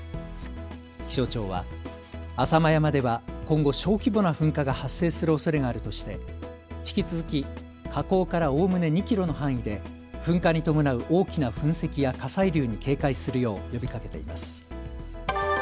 気象庁は浅間山では今後、小規模な噴火が発生するおそれがあるとして引き続き火口からおおむね２キロの範囲で噴火に伴う大きな噴石や火砕流に警戒するよう呼びかけています。